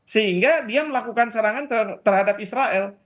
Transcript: sehingga dia melakukan serangan terhadap israel